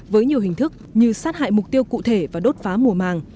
với nhiều hình thức như sát hại mục tiêu cụ thể và đốt phá mùa màng